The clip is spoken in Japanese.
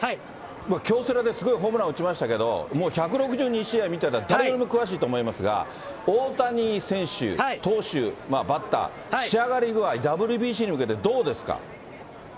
京セラですごいホームラン打ちましたけど、もう１６２試合見てたら誰よりも詳しいと思いますが、大谷選手、投手、バッター、仕上がり具合、ＷＢＣに向けてどうですか。